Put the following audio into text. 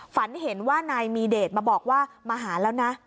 ฝันเห็นว่านายมีเดชมาบอกว่ามาหาแล้วนะ